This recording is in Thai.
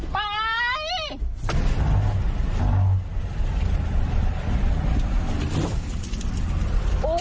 ไป